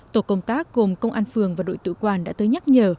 tổ công tác gồm công an phường và đội tự quan đã tới nhắc nhở